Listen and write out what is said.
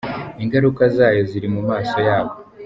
Ingaruka zayo ziri mu maso yabo.